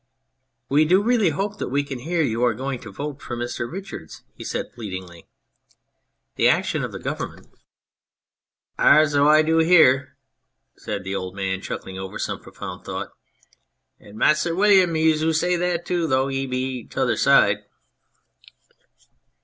" We really do hope that we can hear you are going to vote for Mr. Richards." he said pleadingly. " The action of the Government " 109 On Anything " Ar, zo I do ear say," said the old man, chuckling over some profound thought. " And Mas'r Willum e do zay thaat too, though e be tother side."